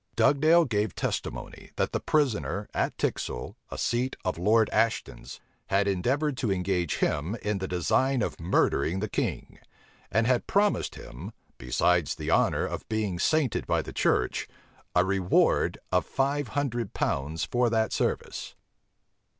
Dugdale gave testimony, that the prisoner, at Tixal; a seat of Lord Aston's, had endeavored to engage him in the design of murdering the king; and had promised him, besides the honor of being sainted by the church, a reward of five hundred pounds for that service.